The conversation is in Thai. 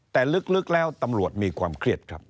แต่ลึกแล้วตำรวจมีความเครียดครับ